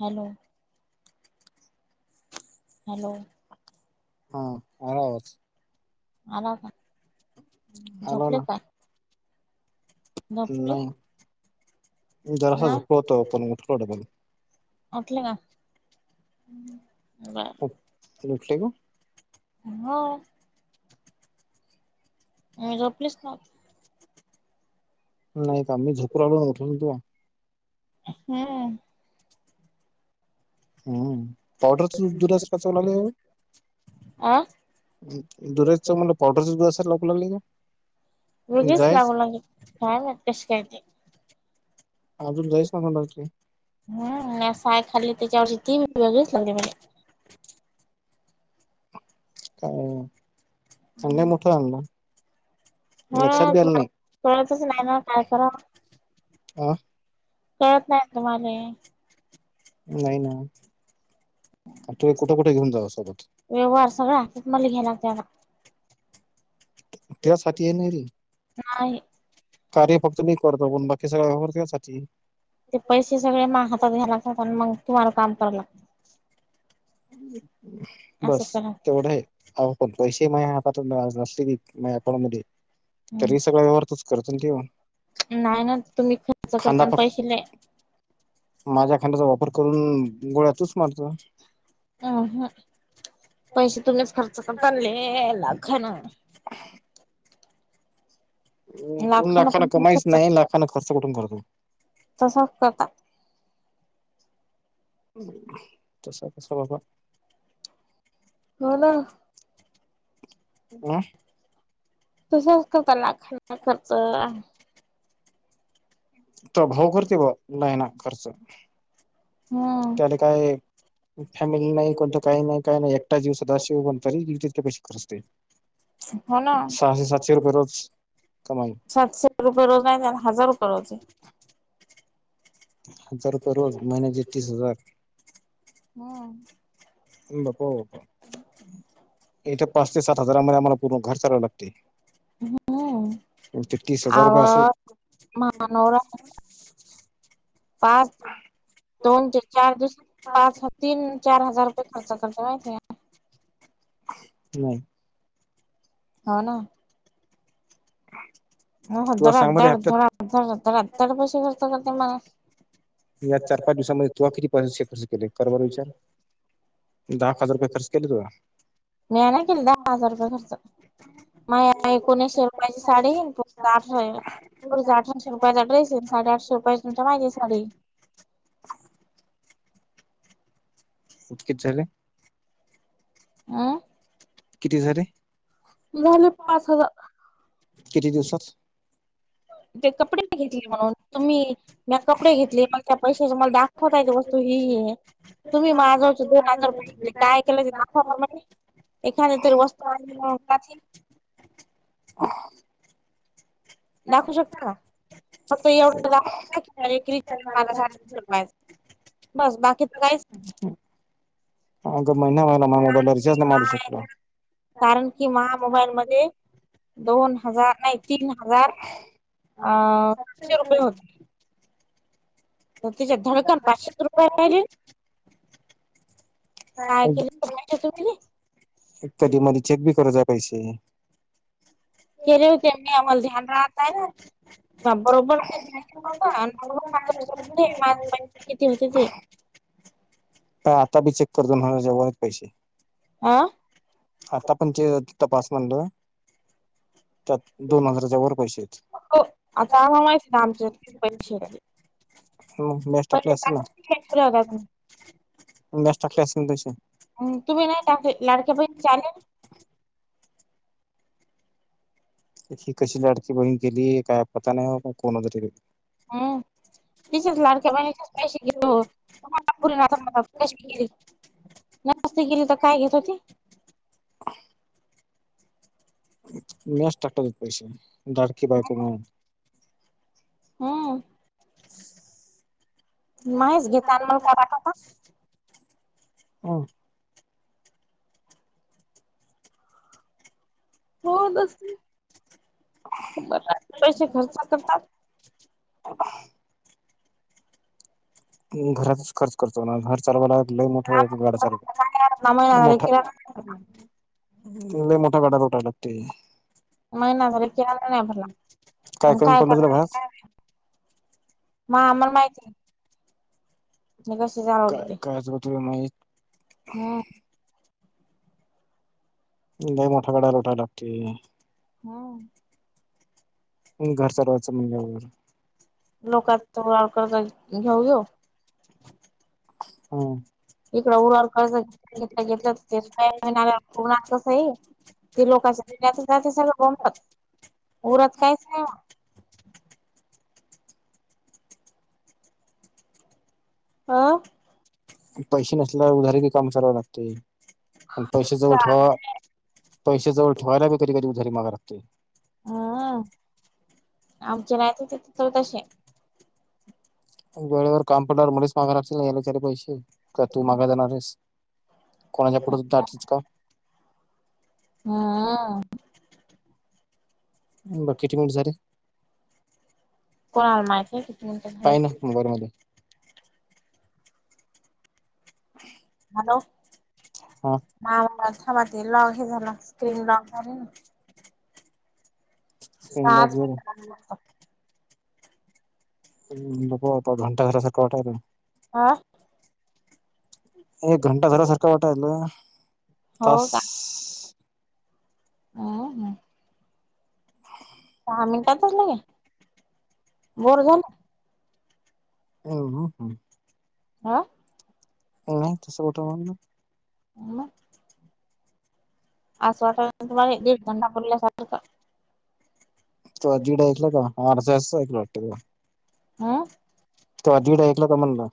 Hello. Hello हा आज आ का? हलो झोपले ना. काय झोपले नाही जरासा ना झोक होतो पण उठको पण टला का? बर [unintelligible] हो. झोपलीच ना. नाही का मी झोपुरावून उठून तु हम्म. हम्म पावडरच दुरस् कचाव लागले. अ दुधच म्हणलं पावडरच दुध अस लकला नाही का? जायच. कश कायते. अजून जाईस ना सणारख हम आणिय खाल्ली त्याच्यावरष ती वेगळीच लागली म्हज काय अांड्या मोठा अबा हो कळतच नाही ना काय करा. हा. कळत नाही तुम्हाला? नाही ना. तु कुठे कुठे घेऊन जाव सोबत व्यवहार सगळा हातात मला घ्यायला लागते आता त्यासाठी ये नाही रे. नाही. कार्य फक्त मी करतो पण बाकी सगळ व्यपरतसाठी ते पैसे सगळे माग हातात घ्याय लागतात आणि मग तुम्हाला काम करा लागं. ह. असं बस करा तेवढं आहे पण पैसे मा हातात नसले आपण मध्ये तरी सगळ ववहारथच करो ठऊन नाही ना तुम्ही खर्च करताना फक्त पैसेले माझ्या खांड्याचा वापर करून गोळ्यातच मारतो. अम ह पैसे तुम्हीच खर्च करता आणले ला घा ना. न लाखानं लाखांना पण कमाईच खर्च नाही लाखांना खर्च कठून करतो. तसख का? तस तस बाबा. हो ना. ह. तसंच करता लाखानना खर्च त भाऊ करते ब लाईना खर्च त्याला काय हम्म फॅमिली नाही कोणतं काही नाही काही नाही एकटा जीवसदश्य कोण तरीथपेक्ष कस्? हो ना. रोज कमाई सातशे रुपये रोज नाही हजार रुपये रोज आहे. हजार रुपये रोज महिनचे तीस हजार. [inaudible] हब प- इथे पाच ते सात हजार ममध्ये आ्हाला पूर्ण घर चालावं लागते. हम्म ते तीस हजार आव रपय असल. महानवरा हा पाच दोन दोन ते च चार दिवस पाच ते तीन चार हजार रुपये खर्च करते खर्. माहितीये हम. हो. ना [inaudible] तुला हधर सांग हध बरं हप्त्यात अधड अध आधर पैसे खर्च करते मला. या चार पाच दिवसामध्ये तु किती पैसे केले कर बर विचार. दहा हजार रुपये खर्च केले तुला मी आहे. ना केली दहा हजार रुपये खर्च. ह [inaudible] माझ एकोणीसशे रुपयाची साडी, येईनठ अठराशे रुपयाचा ड्रेस ये साडेआठशे रुपया तु माहितीे साडी [unintelligible] उचकच झाले. अं. किती झाले झालं पाच हजार. किती दिवसात. ते कपडे घेतले म्हणून तुम्ही, म कपडे घेतले मग त्या पैसा दाखव. वतायची वस्तू ही आहे तुम्ही माज दोन आजार पाहिजे काय केलं ते दाखवहिे [unintelligible] एखा तरो वस्त [unintelligible] दाखवू शकत का. फक्त एवढंला सातीनं. बस बाकीच काहीच नाही. अग महिना व्हायला. मला मोबाईलला रच्ज नाही मारू शको कारण की महामोबाईल मध्ये दोन हजार नाही तीन हजार अ पाातशे रुपये होते. तर [unintelligible] त्याच्यात धडकन पाचशेच रुपये राहिले काय केले तर पाहिजे तुम्ही एकटी मध्ये चेक बी कत [unintelligible] पैसे. केलेेव ते आम्हाला ् ध्यान राहताय ना बरोबर ते. नव्हतं. आणि बरोबर माझं लक्षात होतं, हे माझे पैसे किती होते ते [unintelligible] आता बी चेक करतो. म्हणा जेवरच पैसे. हा आ तपणचे तपास म्हणलो. त्यात दोन हजाराच्या वर पैसे येत. हो आता आम्हाला माहित आमचे किती पैसे होते. हो गॅस टाकी पहिले असेल ना टाकत ठेवले होता तुम्ही गॅस टाकी आहे त्याची. तुम्ही नाही लाडक्या पैसे चाले. ही कशी लाडकी बहीण केली. काय पता नाही का कोणतरी गली. हा. घेऊ पुढे. [unintelligible] नास्त केली तर काय घेत होती. म्याज टाकले पैसे देत लाडकी बायको म्हणून. हम् माहीच घेता आणि मला काय पाठवता हम. हो तसं. बर पैसे खर्च करतात. [unintelligible] घरातच खर्च करतो. घर चालवाय लागलं मोठा गाड चाल काय महिना झाले मोठा किराणा तला मोठा गडातोठाय लागते [unintelligible] मग ना झा केळाला नाही आपरला पण कमी काय पडलं कर तुला भास [unintelligible] म आमला माहिती आहे. चालवत काय कायच बतु माहीत? हा. नाही मोठा गड्या लोटाय लागते. हो. घर सर्वचं म्हणजे वगैरे लोकात हम. इकड उरवर कर्ज घेत घेत घेतलं ते का पूर्णथ. [unintelligible] ते लोकांच्या आता ज सगळं गमत उरत काहीच नाही. हं. पैसे नसल्यावर उधार काही काम चालवाय लागते. आणि पैसे जवळ का ठेवा पैसे जवळ ठेवायलाी कधी कधी उधारी मागाय लागते. हा आमच्या रात तिथ तर तसे वेळेवर काम पडणार मच मागा रा नाही यालाचे पैसे का तू मागा जाणार आहेस. कोणाच्या पुढेच का हा. किती मिनिटे झाले? कोणाला माहिती किती मिनिटं झाले काय ना मोबाईल मध्ये. हॅलो हा म मात लॉक हे झालं स्क्रीन लॉक झाली ना. स्क्रीन लॉक सहाच झाली? मिनिट हा बघू आता घंटा घराचा [unintelligible] हा. एक घंटा घरासारखा वाटायल हो तास. हो ह. सहा मिनटातच नाहीे बोर झाला. हो हो ह. हा. ह तस बठ म्हण. [unintelligible] ह. आस वाटान तुम्हाे दीड घंटा परल्यासारख. [unintelligible] त जिड ऐकलं कार ऐकलं वा. [unintelligible] आ. ते्हा दीडा ऐक का म्हणला.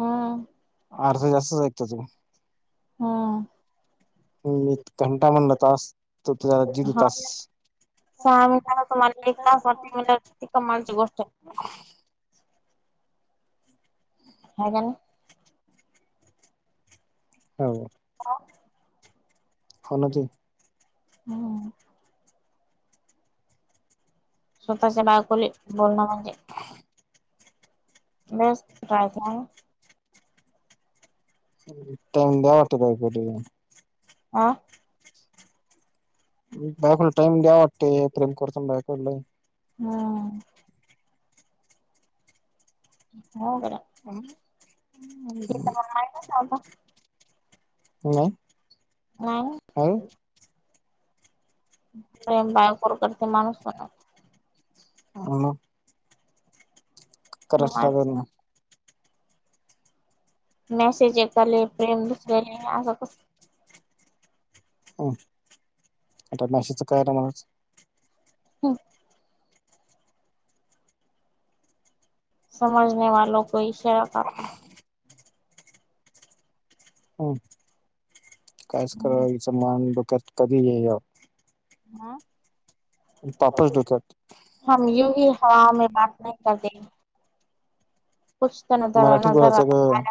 हा. अर्थ जास्तच ऐकत तुम्ही. हा. [unintelligible] घंटा म्हणला तस त त जद तस. [inaudible] ला तुम्हाला एक तास वा मिनट कमालची गोष्ट. ह ना. हो. हा. बोलकी. हम. स्वतःच्या बायकोले बोलणं म्हणजे बेस, काय का? टाईम दहा ते [unintelligible] हं? बायकोला टाईम द्यावा लागतो, प्रेम करतो ना बायकला. हम. हो बर. ह [unintelligible] [inaudible] [unintelligible] का का लत नाय, नाही काय? प्रेम बायकोवर करतो माणूस ना हो मंग. करावंच लागल. मेसेज मेसेज एकाले, प्रेम दुसराले, असं कस? ह्म, आता मेसेजचं काय आलं म्हणायचं? हम्. समजने वालो को इशारा काफी हम, काईस कळण [unintelligible] मान डोक्यात कधी ये. हा. पापच डोक्यात हम युही हवा मे बात नही करते. कुछ तर नजर मराठीत नजर बोलायचं गं.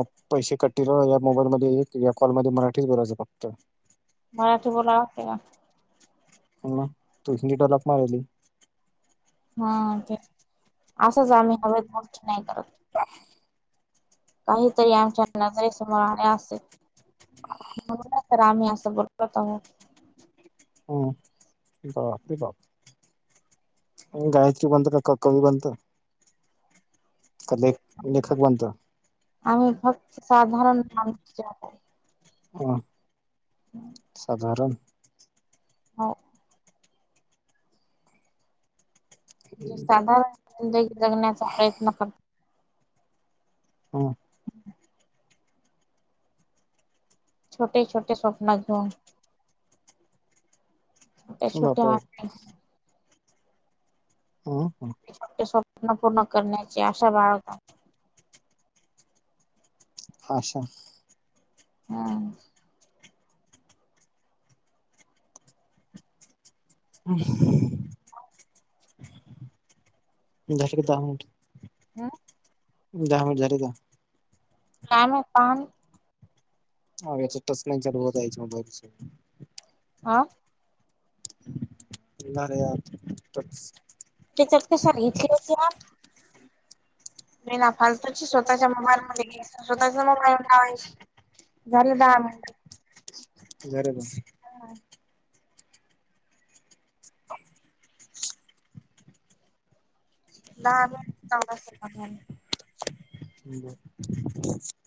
ऍप पैसे कट होतील, [unintelligible] मोबाईल मध्ये, रेकॉर्ड कॉलमध्ये मराठीच बोलायचं फक्त. मराठी बोलावं लागत का? ह्म तु [unintelligible] महिली. हा, ते असंच आम्ही हवेत गोष्ट नाही करत. काहीतरी आमच्या नजरेसमोर आल असेल. म्हणून तर आम्ही असं बोलतो होतो मंग. हम, बाप रे बाप. गायत्री बनत, का [unintelligible] बनत? का लेख लेखक बनत आम्ही हक् साधारण [unintelligible] मा [unintelligible] ह्म, साधारण? हा. जे साधारण जिंदगी जगण्याचा प्रयत्न करते. ह्म. छोटे-छोटे स्वप्न घेऊन, छोटे-छोटे बापा [unintelligible] हा. फक्त स्वप्न पूर्ण करण्याचे अशा बाळगा. आशा? हम्. हम झा ठ क दा मोठ हम दहा मिनिट झाले का काम पण हा चालू होय म हा रे या त्याच्याक्ता सांगितली होती नाही ना फालतूची स्वतःच्या मोबाईल म स्वतःचा मोबाईल लावाय घरी दम जरबर नाही नाही ् बर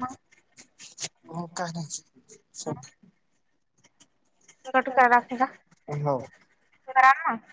मग हो का नाही स कटकरालाख का हो कर ना